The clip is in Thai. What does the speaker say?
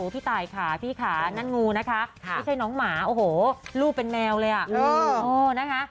พี่ตายค่ะพี่ค่ะนั่นงูนะคะไม่ใช่น้องหมาโอ้โหลูกเป็นแมวเลยอ่ะนะคะ